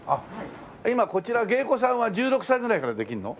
今こちら芸妓さんは１６歳ぐらいからできるの？